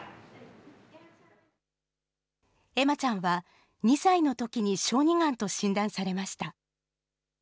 恵麻ちゃんは、２歳のときに小児がんと診断されました。